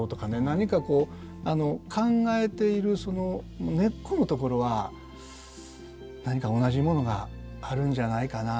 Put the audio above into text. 何かこう考えているその根っこのところは何か同じものがあるんじゃないかな。